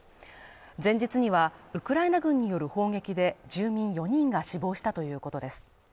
前日には、ウクライナ軍による砲撃で、住民４人が死亡したということです。